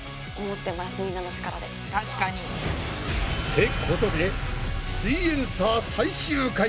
確かに。ってことで「すイエんサー」最終回！